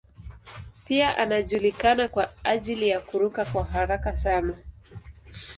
Pia anajulikana kwa ajili ya kuruka kwa haraka sana.